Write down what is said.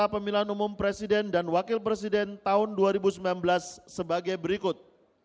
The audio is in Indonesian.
pemilihan umum presiden dan wakil presiden tahun dua ribu sembilan belas sebagai berikut